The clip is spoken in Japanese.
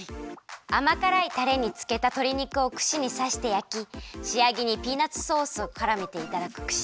あまからいタレにつけたとり肉をくしにさしてやきしあげにピーナツソースをからめていただくくし